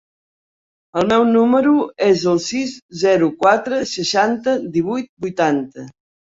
El meu número es el sis, zero, quatre, seixanta, divuit, vuitanta.